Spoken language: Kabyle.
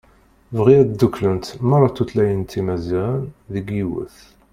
Bɣi ad dduklent meṛṛa tutlayin timaziɣen deg yiwet.